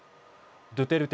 ドゥテルテ